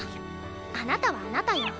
あなたはあなたよ。